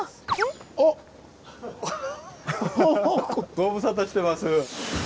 ご無沙汰してます。